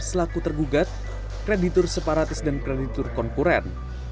selaku tergugat kreditur separatis dan kreditur konkuren